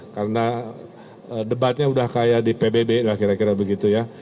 karena debatnya sudah kaya di pbb kira kira begitu ya